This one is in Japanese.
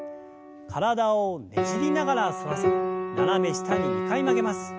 体をねじりながら反らせ斜め下に２回曲げます。